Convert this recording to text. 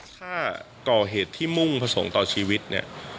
ถ้าก่อเหตุที่มุ่งผสมต่อชีวิตเนี่ย